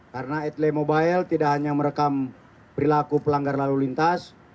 karena adelaide mobile tidak hanya merekam perilaku pelanggar lalu lintas